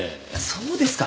そうですか。